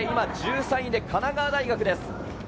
１３位で神奈川大学です。